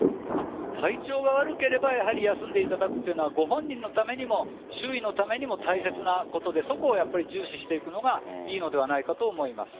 体調が悪ければやはり休んでいただくというのはご本人のためにも周囲のためにも大切なことでそこを重視していくのがいいのではないかと思います。